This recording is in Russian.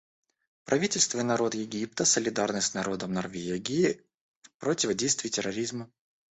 Правительство и народ Египта солидарны с народом Норвегии в противодействии терроризму.